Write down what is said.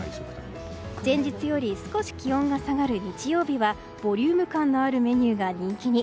前日より少し気温が下がる日曜日はボリューム感のあるメニューが人気に。